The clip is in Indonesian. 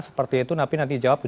seperti itu nanti jawab